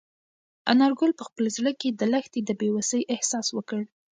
انارګل په خپل زړه کې د لښتې د بې وسۍ احساس وکړ.